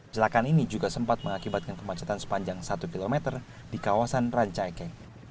celakaan ini juga sempat mengakibatkan pemacatan sepanjang satu kilometer di kawasan rancaike